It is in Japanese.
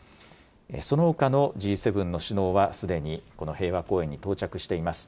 そのほかのＧ７の首脳はすでにこの平和公園に到着しています。